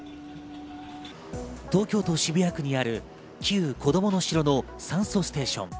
東京都渋谷区にある、旧こどもの城の酸素ステーション。